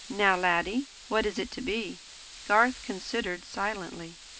Now, laddie, what is it to be?" Garth considered silently.